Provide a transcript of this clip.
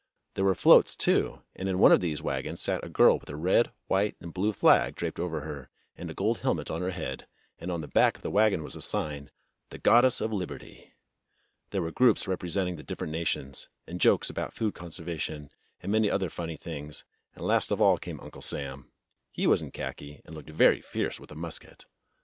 There were floats, too, and in one of these wagons sat a girl with a red, white, and blue flag draped over her and a gold helmet on her head, and on the back of the wagon was a sign, "The Goddess of Liberty." There were groups representing the different nations, and jokes about food conservation and many other funny things, and last of all came Uncle Sam. He was in kliaki, and looked very fierce with a musket'.